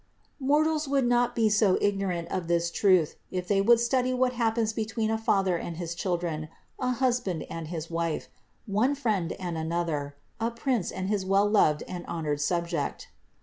Mortals would not be so ignorant of this truth if they would study what happens between a father and his children, a hus band and his wife, one friend and another, a prince and his well loved and honored subject.